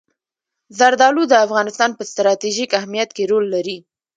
زردالو د افغانستان په ستراتیژیک اهمیت کې رول لري.